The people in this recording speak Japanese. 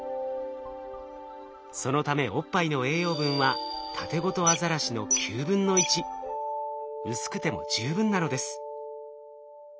そのためおっぱいの栄養分はタテゴトアザラシの９分の１。薄くても十分なのです。